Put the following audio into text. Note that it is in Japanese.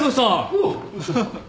おう。